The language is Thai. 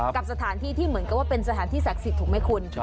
กับสถานที่ที่เหมือนกับว่าเป็นสถานที่ศักดิ์สิทธิ์ถูกไหมคุณ